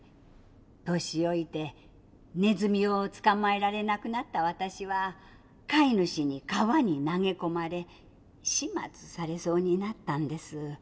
年老いてネズミを捕まえられなくなった私は飼い主に川に投げ込まれ始末されそうになったんです。